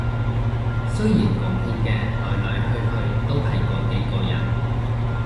雖然貢獻嘅來來去去都係嗰幾個人